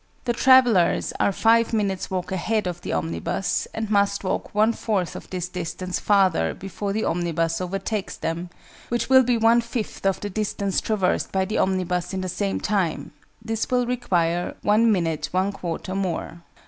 The travellers are 5 minutes walk ahead of the omnibus, and must walk 1 4th of this distance farther before the omnibus overtakes them, which will be 1 5th of the distance traversed by the omnibus in the same time: this will require 1 1/4 minutes more.